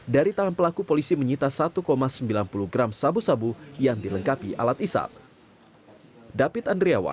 dari tangan pelaku polisi menyita satu sembilan puluh gram sabu sabu yang dilengkapi alat isap